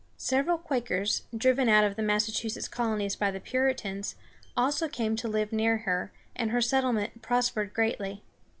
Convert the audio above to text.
Several Quakers, driven out of the Massachusetts colonies by the Puritans, also came to live near her, and her settlement prospered greatly.